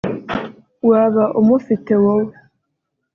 waba umufite wowe